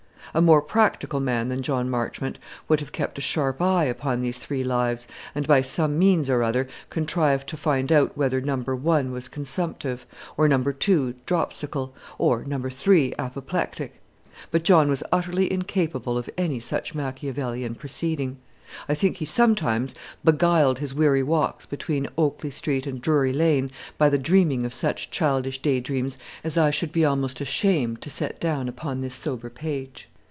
A more practical man than John Marchmont would have kept a sharp eye upon these three lives, and by some means or other contrived to find out whether number one was consumptive, or number two dropsical, or number three apoplectic; but John was utterly incapable of any such Machiavellian proceeding. I think he sometimes beguiled his weary walks between Oakley Street and Drury Lane by the dreaming of such childish day dreams as I should be almost ashamed to set down upon this sober page.